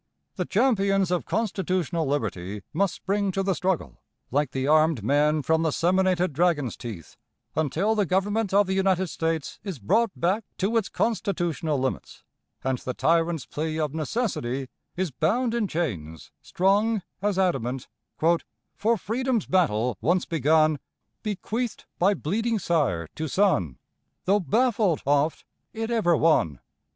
The champions of constitutional liberty must spring to the struggle, like the armed men from the seminated dragon's teeth, until the Government of the United States is brought back to its constitutional limits, and the tyrant's plea of "necessity" is bound in chains strong as adamant: "For Freedom's battle once begun, Bequeathed by bleeding sire to son, Though baffled oft, it ever won."